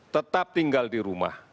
tetap tinggal di rumah